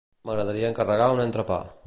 M'agradaria encarregar un entrepà.